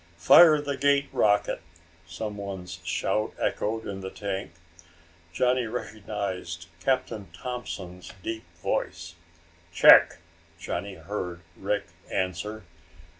"Fire the gate rocket!" someone's shout echoed in the tank. Johnny recognized Captain Thompson's deep voice. "Check!" Johnny heard Rick answer.